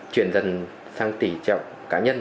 chuyển dần sang tỉ trọng cá nhân